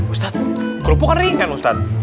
ustadz kerupuk kan ringan ustadz